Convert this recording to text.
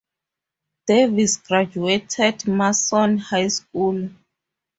Davis graduated Mason High School.